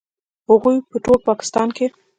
هغوی په ټول پاکستان کې